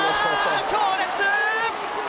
強烈！